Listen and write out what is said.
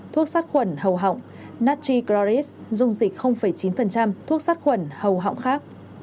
thuốc sát khuẩn hầu họng natchi gloris dùng dịch chín thuốc sát khuẩn hầu họng khác